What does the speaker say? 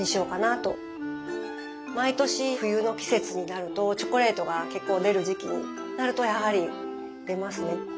毎年冬の季節になるとチョコレートが結構出る時期になるとやはり出ますね。